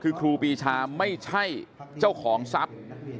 คือครูปีชาไม่ใช่เจ้าของทรัพย์